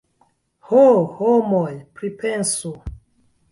Ho, homoj, pripensu!